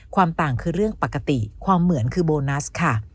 ความต่างคือเรื่องปกติความเหมือนคือโบนัสค่ะ